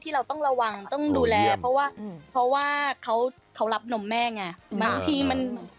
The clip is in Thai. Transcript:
เราต้องระวังต้องดูแลเพราะว่าเพราะว่าเขาเขารับนมแม่ไงบางทีมันเหมือน